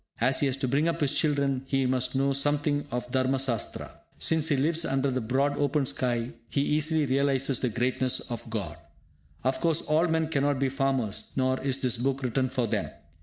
As he has to bring up his children, he must know something of Dharma Sastra. Since he lives under the broad open sky, he easily realises the greatness of God. Of course, all men cannot be farmers, nor is this book written for them.